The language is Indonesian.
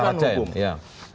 berantas sarasen ya